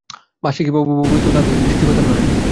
বাশ্মীকি বা ভবভূতিও তাঁহাদের সৃষ্টিকর্তা নহেন।